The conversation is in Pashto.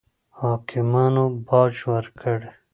حاکمانو باج ورکړي.